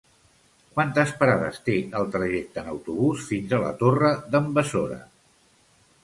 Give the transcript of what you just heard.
Quantes parades té el trajecte en autobús fins a la Torre d'en Besora?